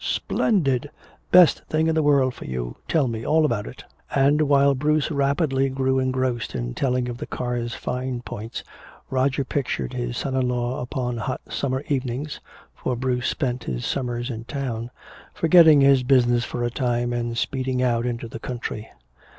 "Splendid! Best thing in the world for you! Tell me all about it!" And while Bruce rapidly grew engrossed in telling of the car's fine points, Roger pictured his son in law upon hot summer evenings (for Bruce spent his summers in town) forgetting his business for a time and speeding out into the country.